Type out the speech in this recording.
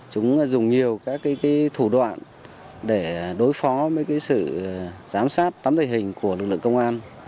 chúng dùng nhiều các thủ đoạn để đối phó với sự giám sát tấm thể hình của lực lượng công an